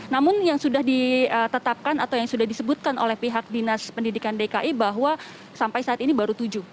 namun yang sudah ditetapkan atau yang sudah disebutkan oleh pihak dinas pendidikan dki bahwa sampai saat ini baru tujuh